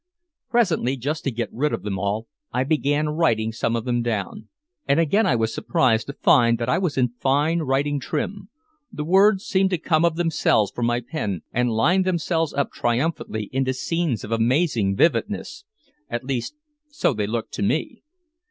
Presently, just to get rid of them all, I began writing some of them down. And again I was surprised to find that I was in fine writing trim. The words seemed to come of themselves from my pen and line themselves up triumphantly into scenes of amazing vividness. At least so they looked to me.